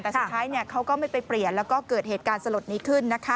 แต่สุดท้ายเขาก็ไม่ไปเปลี่ยนแล้วก็เกิดเหตุการณ์สลดนี้ขึ้นนะคะ